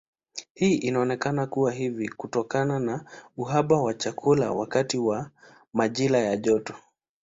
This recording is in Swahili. Hii inaonekana kuwa hivi kutokana na uhaba wa chakula wakati wa majira ya joto.